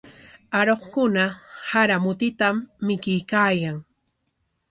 Aruqkuna sara mutitam mikuykaayan.